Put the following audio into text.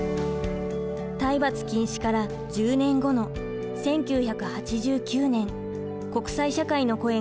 体罰禁止から１０年後の１９８９年国際社会の声が高まり